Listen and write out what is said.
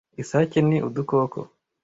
Isake ni udukoko.